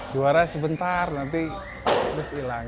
juara sebentar nanti terus hilang